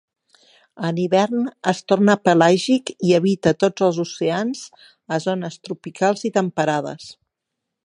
En hivern es torna pelàgic i habita tots els oceans a zones tropicals i temperades.